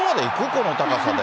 あの高さで。